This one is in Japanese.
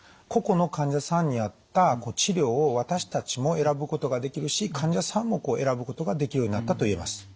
個々の患者さんに合った治療を私たちも選ぶことができるし患者さんも選ぶことができるようになったと言えます。